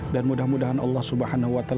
dan mudah mudahan allah swt